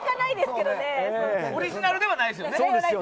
オリジナルではないですよね。